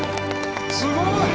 すごい！